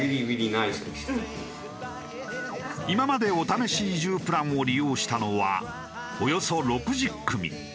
今までお試し移住プランを利用したのはおよそ６０組。